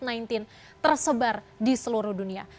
kematian tersebar di seluruh dunia